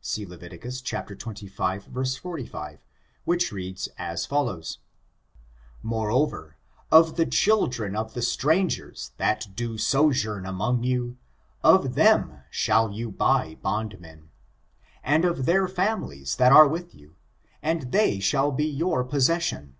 See Levit. xxv, 45, which reads as follows :Moreover, of the children of the stran gers that do sojourn among you, of them shall you buy [bondmen], and of their families that are with you, and they shall be your possession.''